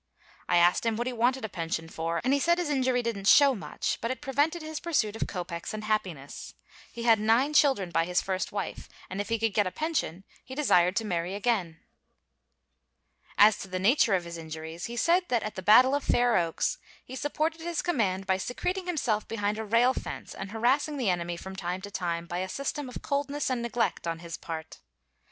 I asked him what he wanted a pension for, and he said his injury didn't show much, but it prevented his pursuit of kopecks and happiness. He had nine children by his first wife, and if he could get a pension he desired to marry again. As to the nature of his injuries, he said that at the battle of Fair Oaks he supported his command by secreting himself behind a rail fence and harassing the enemy from time to time, by a system of coldness and neglect on his part.